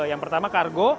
yang pertama kargo